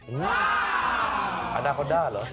อูหูวววววววอาณาคอนด้าเหรอ